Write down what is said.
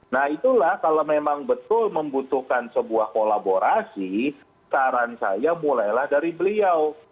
nah itulah kalau memang betul membutuhkan sebuah kolaborasi saran saya mulailah dari beliau